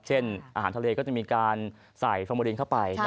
เช่นอาหารทะเลก็จะมีการใส่ฟ้าโมลินเข้าไป